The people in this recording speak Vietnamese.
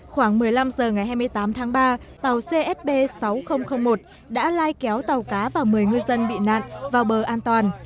khoảng một mươi năm h ngày hai mươi tám tháng ba tàu csb sáu nghìn một đã lai kéo tàu cá và một mươi ngư dân bị nạn vào bờ an toàn